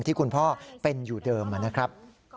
ที่คุณพ่อเป็นอยู่เดิมนะครับ